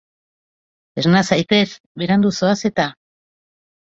Esna zaitez, berandu zoaz eta.